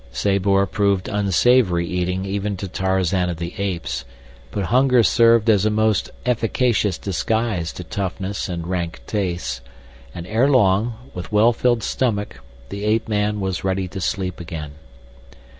Sabor proved unsavory eating even to Tarzan of the Apes, but hunger served as a most efficacious disguise to toughness and rank taste, and ere long, with well filled stomach, the ape man was ready to sleep again.